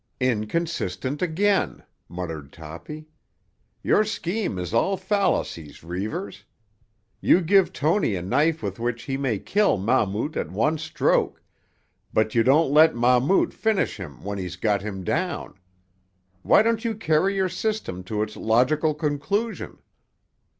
"Inconsistent again," muttered Toppy. "Your scheme is all fallacies, Reivers. You give Tony a knife with which he may kill Mahmout at one stroke, but you don't let Mahmout finish him when he's got him down. Why don't you carry your system to its logical conclusion?"